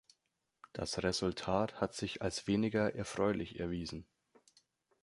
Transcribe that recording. Das Resultat hat sich als weniger erfreulich erwiesen.